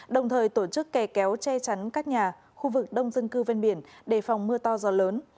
đồng thời tổ chức kè kéo che chắn các nhà khu vực đông dân cư ven biển đề phòng mưa to gió lớn